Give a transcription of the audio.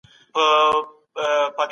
د غاښونو ټولنه برسونه نه پوښي.